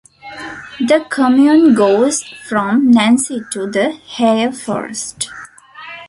The commune goes from Nancy to the Haye forest.